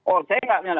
oh saya nggak mengenal